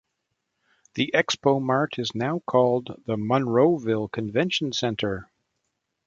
The ExpoMart is now called the Monroeville Convention Center.